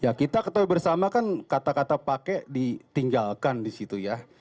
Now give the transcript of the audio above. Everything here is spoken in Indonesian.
ya kita ketahui bersama kan kata kata pake ditinggalkan disitu ya